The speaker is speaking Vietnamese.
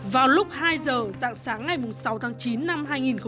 vào lúc hai giờ dạng sáng ngày sáu tháng chín năm hai nghìn hai mươi hai